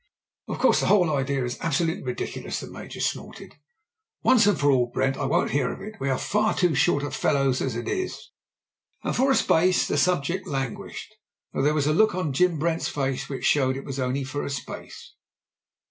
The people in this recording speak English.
"Of course, the whole idea is absolutely ridiculous." The Major snorted. "Once and for all. Brent, I won't hear of it. We're far too short of fellows as it is." And for a space the subject languished, though there was a look on Jim Brent's face which showed it was only for a space.